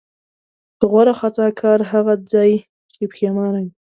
غوره خطاکار هغه دی چې پښېمانه وي.